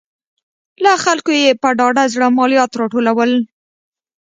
له خلکو یې په ډاډه زړه مالیات راټولول